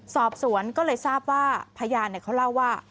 สอบสวนก็เลยทราบว่าพยานเขาเล่าว่า